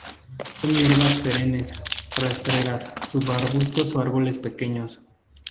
Son hierbas perennes rastreras, subarbustos o árboles pequeños.